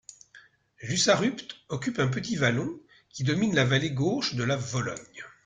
Jussarupt occupe un petit vallon qui domine la rive gauche de la Vologne.